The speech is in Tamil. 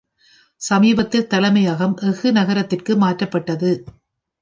சமீபத்தில் தலைமையகம் எஃகு நகரத்திற்கு மாற்றப்பட்டது.